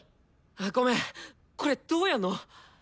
ごめんこれどうやんの！？